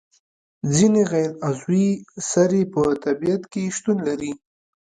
ځینې غیر عضوي سرې په طبیعت کې شتون لري.